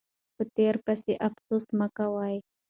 په تیر پسې افسوس مه کوئ.